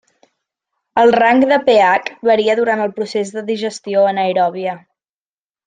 El rang de pH varia durant el procés de digestió anaeròbia.